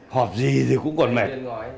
họp gì thì cũng còn mệt